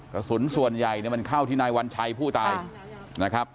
กระสุนส่วนใหญ่เนี่ยมันเข้าที่นายวัญชัยผู้ตายนะครับ